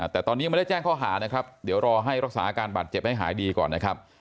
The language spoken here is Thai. แต่ตอนนี้ยังไม่ได้แจ้งข้อหานะครับเดี๋ยวรอให้รักษาอาการบาดเจ็บให้หายดีก่อนนะครับ